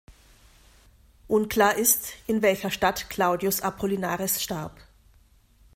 Unklar ist, in welcher Stadt Claudius Apollinaris starb.